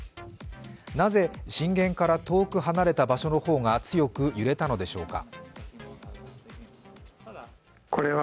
なぜ震源から遠く離れた場所の方が強く揺れたのでしょうか。